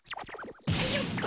よっと！